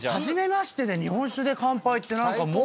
初めましてで日本酒で乾杯って何すか？